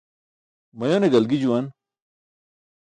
Mayone galgi juwan.